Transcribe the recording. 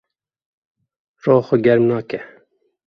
Ro xwe germ nake.